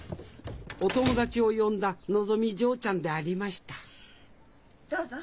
お友達を呼んだのぞみ嬢ちゃんでありましたどうぞ。